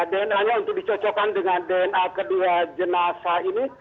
dna nya untuk dicocokkan dengan dna kedua jenazah ini